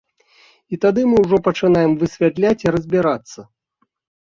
І тады мы ўжо пачынаем высвятляць і разбірацца.